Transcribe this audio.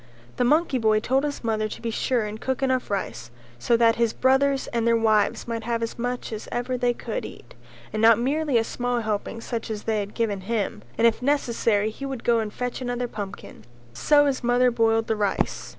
The monkey boy told his mother to be sure and cook enough rice so that his brothers and their wives might have as much as ever they could eat, and not merely a small helping such as they had given him, and if necessary he would go and fetch another pumpkin; so his mother boiled the rice.